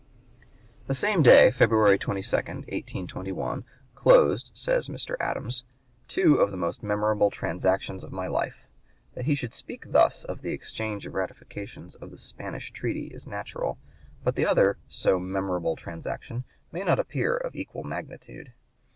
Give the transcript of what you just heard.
The same day, February 22, 1821, closed, says Mr. Adams, "two of the most memorable transactions of my life." That he should speak thus (p. 126) of the exchange of ratifications of the Spanish treaty is natural; but the other so "memorable transaction" may not appear of equal magnitude.